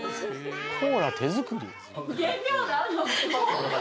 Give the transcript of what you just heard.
コーラ手作り？